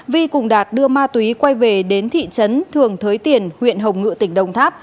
vi cùng đạt đưa ma túy quay về đến thị trấn thường thới tiền huyện hồng ngự tỉnh đồng tháp